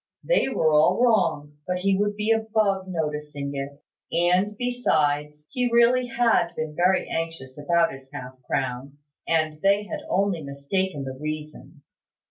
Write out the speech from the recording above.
They were all wrong, but he would be above noticing it; and, besides, he really had been very anxious about his half crown, and they had only mistaken the reason.